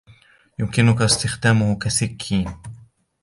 يمكن استخدامه كسكين.